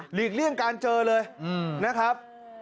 เลี่ยงการเจอเลยนะครับ